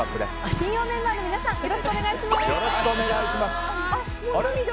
金曜メンバーの皆さんよろしくお願いします。